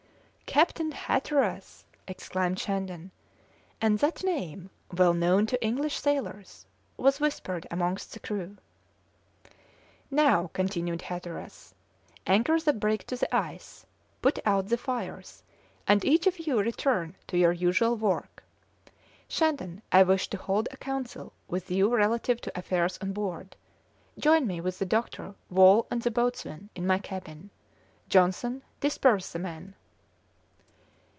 "Captain Hatteras!" exclaimed Shandon, and that name, well known to English sailors, was whispered amongst the crew. "Now," continued Hatteras, "anchor the brig to the ice, put out the fires, and each of you return to your usual work. Shandon, I wish to hold a council with you relative to affairs on board. Join me with the doctor, Wall, and the boatswain in my cabin. Johnson, disperse the men."